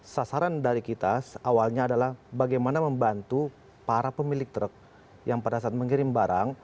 sasaran dari kita awalnya adalah bagaimana membantu para pemilik truk yang pada saat mengirim barang